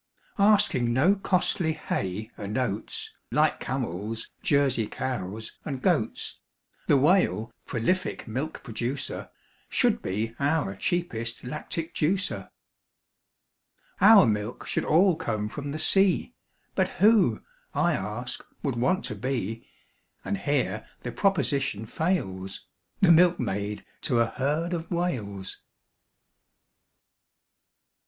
Asking no costly hay and oats, Like camels, Jersey cows, and goats, The Whale, prolific milk producer, Should be our cheapest lactic juicer. Our milk should all come from the sea, But who, I ask, would want to be, And here the proposition fails, The milkmaid to a herd of Whales?